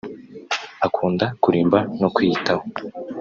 Akunda kurimba no kwiyitaho